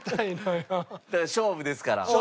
勝負ですから。